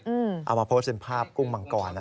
เอามาโพสต์เป็นภาพกุ้งมังกร